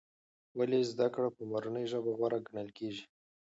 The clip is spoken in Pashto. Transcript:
ولې زده کړه په مورنۍ ژبه غوره ګڼل کېږي؟